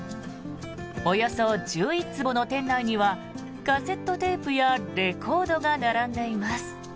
およそ１１坪の店内にはカセットテープやレコードが並んでいます。